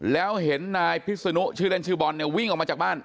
แล้วเห็นนายพิษนุชื่อเล่นชื่อบอลเนี่ยวิ่งออกมาจากบ้าน